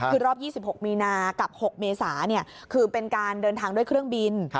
คือรอบ๒๖มีนากับ๖เมษาคือเป็นการเดินทางด้วยเครื่องบิน